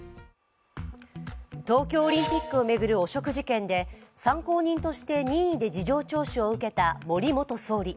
東京オリンピックを巡る汚職事件で参考人として任意で事情聴取を受けた森元総理。